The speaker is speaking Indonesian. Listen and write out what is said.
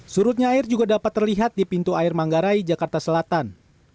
surutnya air juga dapat terlihat di pintu air manggarai jakarta selatan